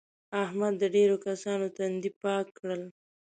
احمد د ډېرو کسانو تندي پاک کړل.